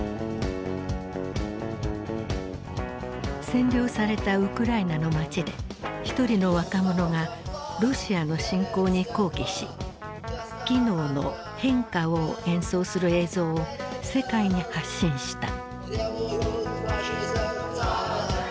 占領されたウクライナの街で一人の若者がロシアの侵攻に抗議しキノーの「変化を！」を演奏する映像を世界に発信した。